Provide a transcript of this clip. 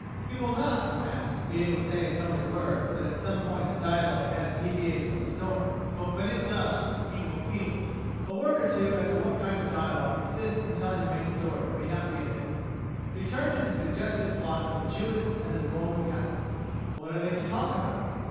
He will not, perhaps, be able to say in so many words that at some point the dialogue has deviated from the story; but when it does, he will feel it."[88:A] A word or two as to what kind of dialogue assists in telling the main story may not be amiss. Return to the suggested plot of the Jewess and the Roman Catholic. What are they to talk about?